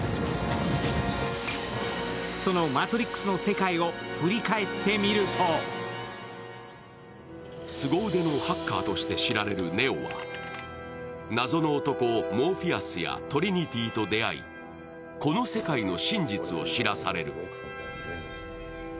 その「マトリックス」の世界を振り返ってみるとすご腕のハッカーとして知られるネオが謎の男モーフィアスやトリニティーと出会い、この世界の真実を知らされる。